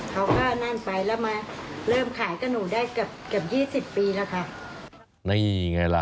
เขาก็นั่นไปแล้วมาเริ่มขายกับหนูได้เกือบเกือบยี่สิบปีแล้วค่ะนี่ไงล่ะ